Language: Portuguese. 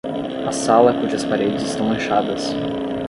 A sala cujas paredes estão manchadas.